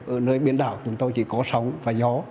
ở nơi biên đảo chúng tôi chỉ có sóng và gió